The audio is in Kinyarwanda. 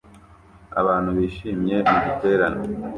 Abantu bishimye mu giterane